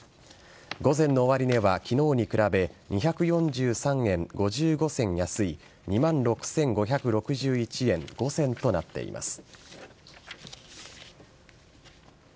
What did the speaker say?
午前の終値は昨日に比べ２４３円５５銭安い２万６５６１円５銭となっています。